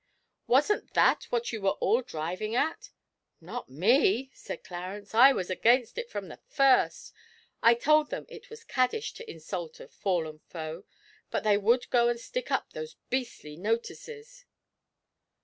Wasn't that what you were all driving at?' 'Not me,' said Clarence. 'I was against it from the first. I told them it was caddish to insult a fallen foe, but they would go and stick up those beastly notices.'